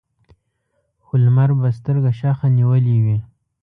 خو لمر به سترګه شخه نیولې وي.